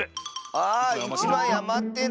あ１まいあまってる！